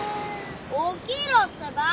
起きろってば。